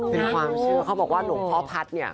เป็นความเชื่อเขาบอกว่าหลวงพ่อพัฒน์เนี่ย